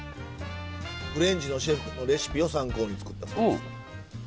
フレンチのシェフのレシピを参考に作ったそうです。